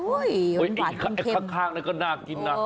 อุ้ยมันหวานมันเข็มโอ้ยไอ้ข้างนี่ก็น่ากินน่ะโอ้ย